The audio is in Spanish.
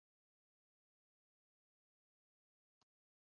Es un manual didáctico que trata sobre los deberes del hiparco.